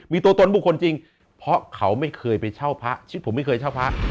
มีตัวตนบุคคลจริงเพราะเขาไม่เคยไปเช่าพระชีวิตผมไม่เคยเช่าพระ